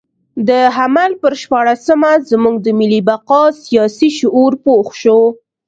د حمل پر شپاړلسمه زموږ د ملي بقا سیاسي شعور پوخ شو.